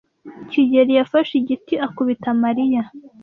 kigeli yafashe igiti akubita Mariya.